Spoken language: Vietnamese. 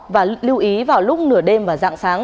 và lưu ý vào lúc nửa đêm và dạng sáng